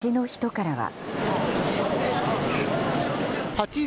街の人からは。